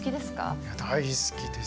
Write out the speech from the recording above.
いや大好きです。